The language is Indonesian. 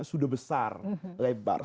sudah besar lebar